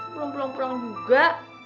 belum pulang pulang juga